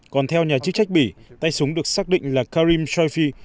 còn theo nhà chức trách bỉ tay súng được xác định là karim shofi